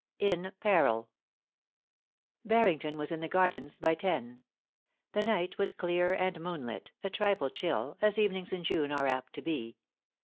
IN PERIU Barrington was in the Gardens by ten. The night was clear and moonlit, a trifle chill, as evenings in June are apt to be.